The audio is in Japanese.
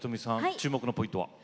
注目のポイントは？